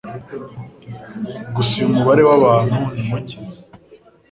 Gusa uyu mubare w'abantu ni mucye